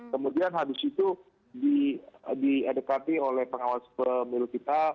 kemudian habis itu diedekati oleh pengawas pemilu kita